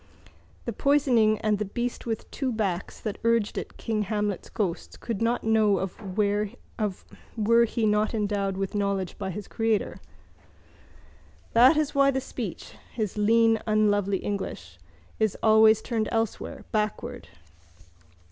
The poisoning and the beast with two backs that urged it King Hamlet's ghost could not know of were he not endowed with knowledge by his creator. That is why the speech (his lean unlovely English) is always turned elsewhere, backward.